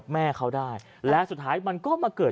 ชาวบ้านญาติโปรดแค้นไปดูภาพบรรยากาศขณะ